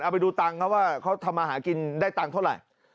ไปดูตังค์เขาว่าเขาทำมาหากินได้ตังค์เท่าไหร่